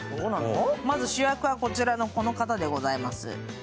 まず主役はこちらのこの方でございます。